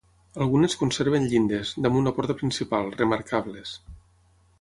Algunes conserven llindes, damunt la porta principal, remarcables.